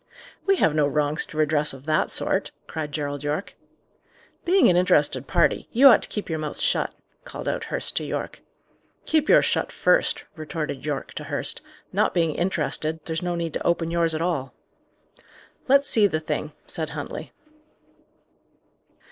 "We have no wrongs to redress of that sort," cried Gerald Yorke. "Being an interested party, you ought to keep your mouth shut," called out Hurst to Yorke. "Keep yours shut first," retorted Yorke to Hurst. "Not being interested, there's no need to open yours at all." "Let's see the thing," said Huntley.